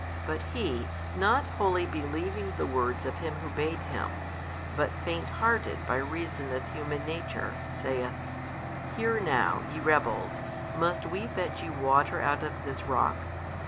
But he, not wholly believing the words of Him Who bade Him, but fainthearted by reason of human nature, saith, Hear now, ye rebels, must we fetch you water out of this rock?